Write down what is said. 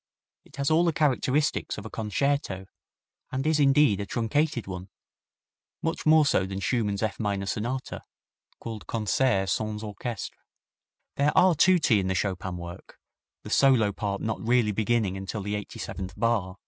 It has all the characteristics of a concerto, and is indeed a truncated one much more so than Schumann's F minor Sonata, called Concert Sans Orchestre. There are tutti in the Chopin work, the solo part not really beginning until the eighty seventh bar.